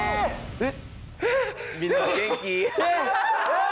・・えっ？